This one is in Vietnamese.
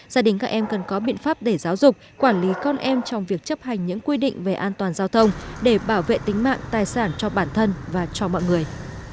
gia đình các em cần có biện pháp để giáo dục quản lý con em trong việc chấp hành những quy định về an toàn giao thông để bảo vệ tính mạng tài sản cho bản thân và cho mọi người